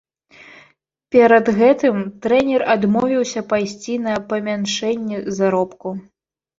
Перад гэтым трэнер адмовіўся пайсці на памяншэнне заробку.